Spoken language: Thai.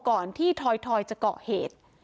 ก่อนที่ทอยจะเกาะเหตุ